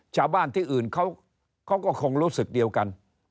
ชาวบ้านที่อื่นเขาก็คงรู้สึกเดียวกัน